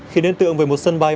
khiến ấn tượng về một sân bay